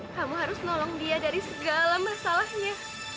kamu harus nolong dia dari segala masalahnya